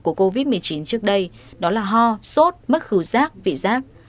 của covid một mươi chín trước đây đó là ho sốt mất khứ giác vị giác